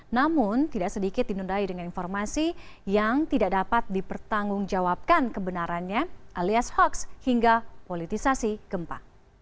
namun tidak sedikit dinundai dengan informasi yang tidak dapat dipertanggungjawabkan kebenarannya alias hoax hingga politisasi gempa